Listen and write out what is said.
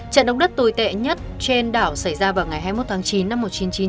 trận động đất tồi tệ nhất trên đảo xảy ra vào ngày hai mươi một tháng chín năm một nghìn chín trăm bảy mươi